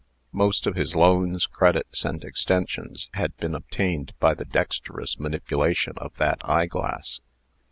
Most of his loans, credits, and extensions, had been obtained by the dexterous manipulation of that eyeglass.